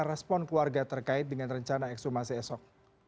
respon keluarga terkait dengan rencana ekshumasi esok